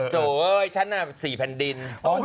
โจ๊ะฉันน่ะสี่แผ่นดิน